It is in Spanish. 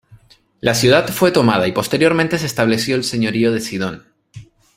La ciudad fue tomada y posteriormente se estableció el Señorío de Sidón.